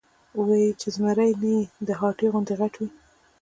وې ئې چې زمرے نۀ د هاتي غوندې غټ وي ،